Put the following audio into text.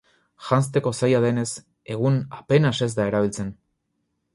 Janzteko zaila denez, egun apenas ez da erabiltzen.